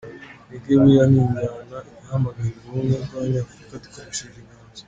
Reggae buriya ni injyana ihamagarira ubumwe bw’abanyafurika dukoresheje inganzo.